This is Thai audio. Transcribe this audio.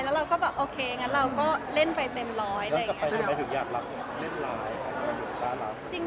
แล้วเราก็แบบโอเคงั้นเราก็เล่นไปเต็มร้อย